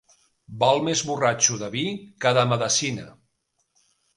Val més borratxo de vi que de medecina.